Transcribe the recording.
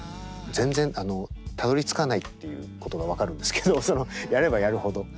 全然たどり着かないっていうことが分かるんですけどやればやるほど。